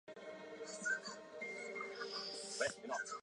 喇叭状的铳口是雷筒与大口径卡宾枪的不同之处。